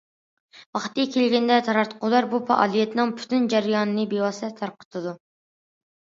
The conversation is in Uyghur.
ۋاقتى كەلگەندە، تاراتقۇلار بۇ پائالىيەتنىڭ پۈتۈن جەريانىنى بىۋاسىتە تارقىتىدۇ.